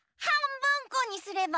ぶんこにすれば？